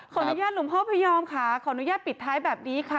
หลวงพ่อพยอมค่ะขออนุญาตปิดท้ายแบบนี้ค่ะ